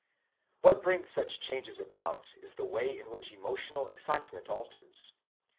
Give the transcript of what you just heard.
What brings such changes about is the way in which emotional excitement alters.